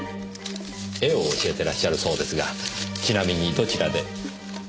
絵を教えてらっしゃるそうですがちなみにどちらで？